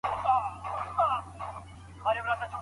ولي افغان سوداګر خوراکي توکي له ایران څخه واردوي؟